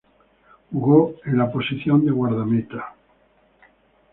Jugó en la posición de guardameta.